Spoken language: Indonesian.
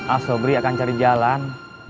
asobri akan cari jalan